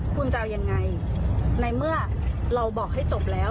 คุณจะเอายังไงในเมื่อเราบอกให้จบแล้ว